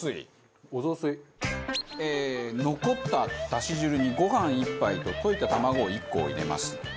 残っただし汁にご飯１杯と溶いた卵を１個入れます。